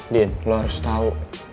din lo harus tau